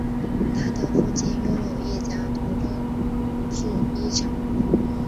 他的父亲拥有一家童装制衣厂。